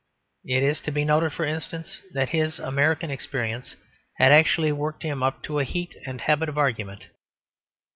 It is to be noted, for instance, that his American experience had actually worked him up to a heat and habit of argument.